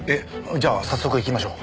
じゃあ早速行きましょう。